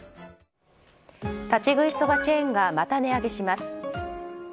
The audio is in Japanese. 立ち食いそばチェーンがまた値上げします。